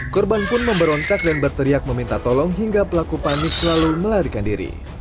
korban pun memberontak dan berteriak meminta tolong hingga pelaku panik lalu melarikan diri